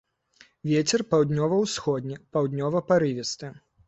Вецер паўднёва-ўсходні, паўднёвы парывісты.